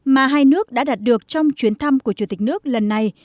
mà hai nước đã đạt được trong chuyến thăm của chủ tịch nước lần này